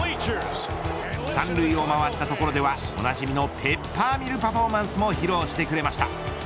３塁を回ったところではおなじみのペッパーミルパフォーマンスも披露してくれました。